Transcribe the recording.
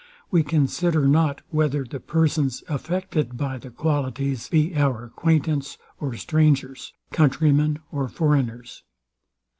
We consider not whether the persons, affected by the qualities, be our acquaintance or strangers, countrymen or foreigners.